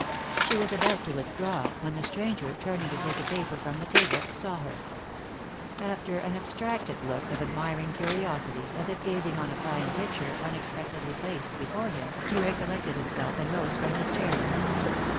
She was about to withdraw, when the stranger, turning to take a paper from the table, saw her. After an abstracted look of admiring curiosity, as if gazing on a fine picture, un expectedly placed before him, he recollected himself, and rose from his chair.